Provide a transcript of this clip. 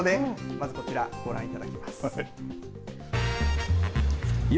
まずこちら、ご覧いただきます。